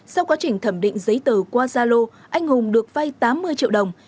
sau quá trình thẩm định giấy tờ qua gia lô anh hùng được vay tám mươi triệu đồng